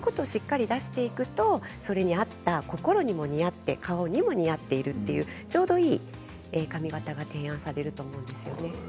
そういうことをしっかり出していくとそれに合った心にも似合って顔にも似合っているというちょうどいい髪形が提案されると思うんですよね。